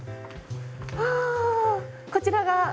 あこちらが。